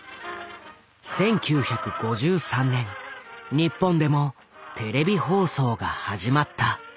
１９５３年日本でもテレビ放送が始まった。